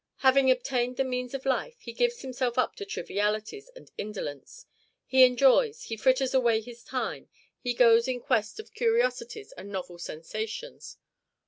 Having obtained the means of life, he gives himself up to trivialities and indolence; he enjoys, he fritters away his time, he goes in quest of curiosities and novel sensations.